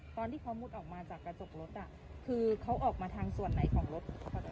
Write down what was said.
ตอนที่เขามุดออกมาจากกระจกรถคือเขาออกมาทางส่วนไหนของรถ